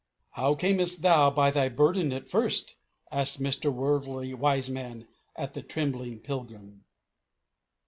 "How camest thou by thy burden at first?" asked Mr. Worldly Wiseman at the trembling pilgrim.